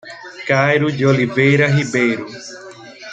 Cairo de Oliveira Ribeiro